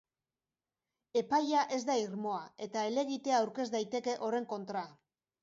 Epaia ez da irmoa, eta helegitea aurkez daiteke horren kontra.